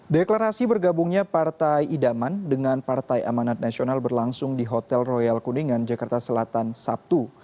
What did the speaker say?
deklarasi bergabungnya partai idaman dengan partai amanat nasional berlangsung di hotel royal kuningan jakarta selatan sabtu